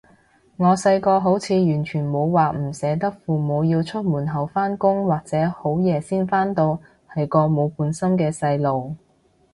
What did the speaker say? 我細個好似完全冇話唔捨得父母要出門口返工或者好夜先返到，係個冇本心嘅細路